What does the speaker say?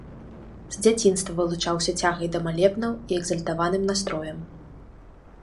З дзяцінства вылучаўся цягай да малебнаў і экзальтаваным настроем.